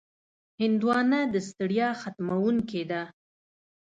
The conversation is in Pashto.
هندوانه د ستړیا ختموونکې ده.